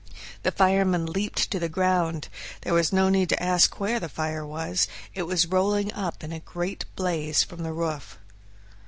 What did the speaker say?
The firemen leaped to the ground; there was no need to ask where the fire was it was rolling up in a great blaze from the roof.